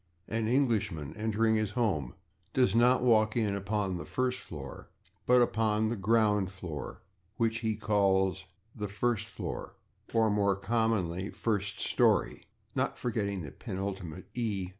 An Englishman, entering his home, does not walk in upon the [Pg103] /first floor/, but upon the /ground floor/. What he calls the /first floor/ (or, more commonly, /first storey/, not forgetting the penultimate /e